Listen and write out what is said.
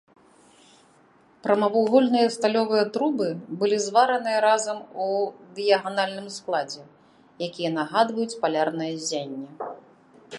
Прамавугольныя сталёвыя трубы былі звараныя разам у дыяганальным складзе, якія нагадваюць палярнае ззянне.